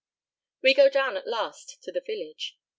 We go down at last to the village.